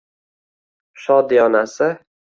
Shodiyonasi